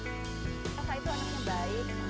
elsa itu anaknya baik